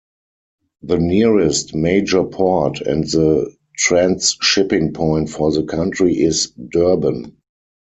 The nearest major port and the transshipping point for the country is Durban.